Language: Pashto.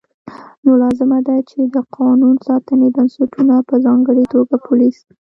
نو لازمه ده چې د قانون ساتنې بنسټونه په ځانګړې توګه پولیس